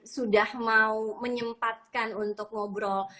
sudah mau menyempatkan untuk ngobrol